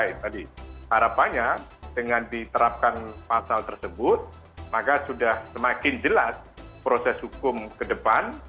jadi harapannya dengan diterapkan pasal tersebut maka sudah semakin jelas proses hukum ke depan